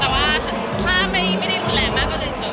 แต่ว่าถ้าไม่ได้แรงมากก็เลยเฉยเปิดใหม่